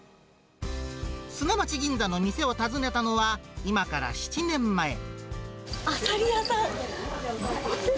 砂町銀座の店を訪ねたのは、今から７年前。